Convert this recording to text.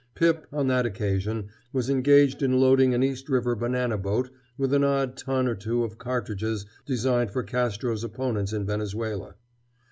Pip, on that occasion, was engaged in loading an East River banana boat with an odd ton or two of cartridges designed for Castro's opponents in Venezuela.